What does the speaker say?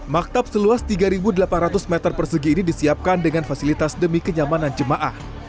maktab seluas tiga delapan ratus meter persegi ini disiapkan dengan fasilitas demi kenyamanan jemaah